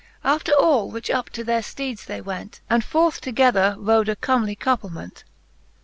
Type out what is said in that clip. After all which up to their fteedes they went, And forth together rode, a comely couplement.